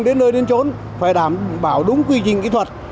tiến bộ thi công đến nơi đến chỗ phải đảm bảo đúng quy trình kỹ thuật